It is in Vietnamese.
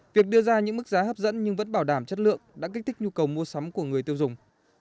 việc đưa ra những mức giá hấp dẫn nhưng vẫn bảo đảm chất lượng đã kích thích nhu cầu mua sắm của người tiêu dùng